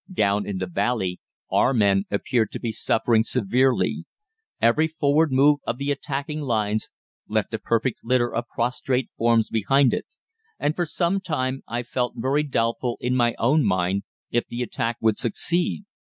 Down in the valley our men appeared to be suffering severely. Every forward move of the attacking lines left a perfect litter of prostrate forms behind it, and for some time I felt very doubtful in my own mind if the attack would succeed.